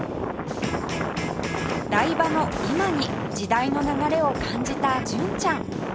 台場の今に時代の流れを感じた純ちゃん